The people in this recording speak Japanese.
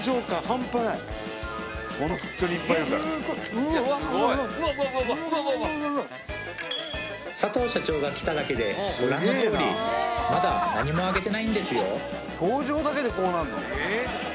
うわっ佐藤社長が来ただけでご覧のとおりまだ何もあげてないんですよえっ？